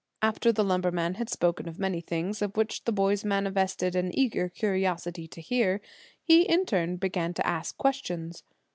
After the lumberman had spoken of many things of which the boys manifested an eager curiosity to hear, he in turn began to ask questions.